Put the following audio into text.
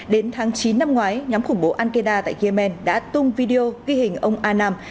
đến tháng chín năm ngoái nhóm khủng bố al qaeda tại yemen đã tung video ghi hình ông anam